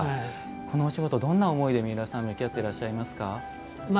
このお仕事どんな思いで三浦さんは向き合っていらっしゃいますか。